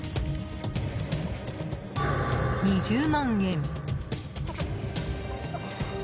２０万円。